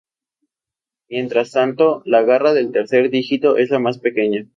Mientras tanto, la garra del tercer dígito es la más pequeña.